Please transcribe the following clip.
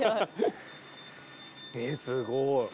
えすごい。